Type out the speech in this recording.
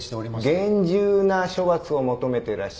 厳重な処罰を求めてらっしゃいます。